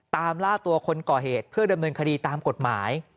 ล่าตัวคนก่อเหตุเพื่อดำเนินคดีตามกฎหมาย